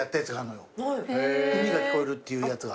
『海がきこえる』っていうやつが。